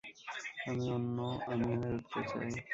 আমি, অন্য আমি হয়ে উঠতে চাই।